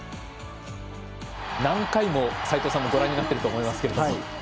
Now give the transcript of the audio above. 何回も齋藤さんもご覧になっていると思いますが。